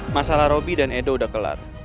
masalah robby dan edo udah kelar